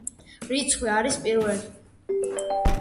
რიცხვი არის არის პირველი.